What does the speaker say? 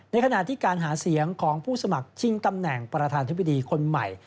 ขณะที่การหาเสียงของผู้สมัครชิงตำแหน่งประธานธิบดีคนใหม่